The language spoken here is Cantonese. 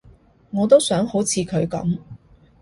我都想好似佢噉